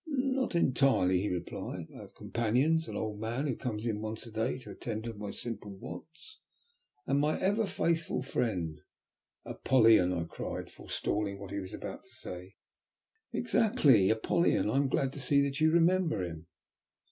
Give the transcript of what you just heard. "Not entirely," he replied. "I have companions: an old man who comes in once a day to attend to my simple wants, and my ever faithful friend " "Apollyon," I cried, forestalling what he was about to say. "Exactly, Apollyon. I am glad to see that you remember him."